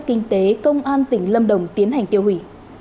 cảnh sát kinh tế công an tỉnh lâm đồng tiến hành tiêu hủy